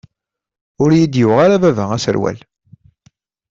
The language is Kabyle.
Ur iyi-d-yuɣ ara baba aserwal.